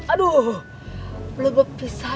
aduh blebeb pisah